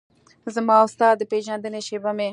زما او ستا د پیژندنې شیبه مې